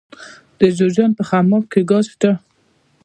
د جوزجان په خماب کې ګاز شته.